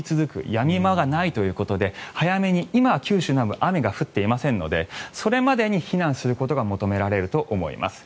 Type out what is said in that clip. やみ間がないということで早めに今は九州南部雨が降っていませんのでそれまでに避難することが求められると思います。